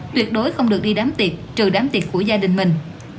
tuyệt đối không được đi đám tiệc trừ đám tiệc của gia đình mình